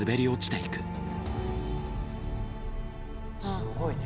すごいね。